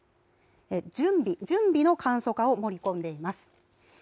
準備、準備の簡素化を盛り込んでいます。